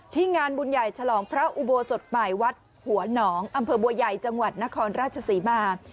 งานบุญใหญ่ฉลองพระอุโบสถใหม่วัดหัวหนองอำเภอบัวใหญ่จังหวัดนครราชศรีมา